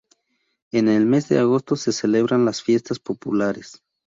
En el mes de agosto se celebran las Fiestas Populares.